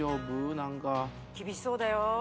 何か厳しそうだよ